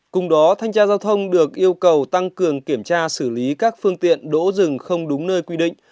cùng đó thanh tra giao thông được yêu cầu tăng cường kiểm tra xử lý các phương tiện đỗ rừng không đúng nơi quy định